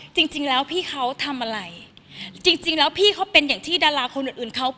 จริงจริงแล้วพี่เขาทำอะไรจริงจริงแล้วพี่เขาเป็นอย่างที่ดาราคนอื่นอื่นเขา